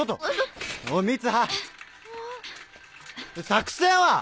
作戦は？